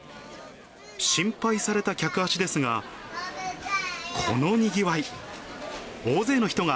心配された客足ですが、このにぎわい。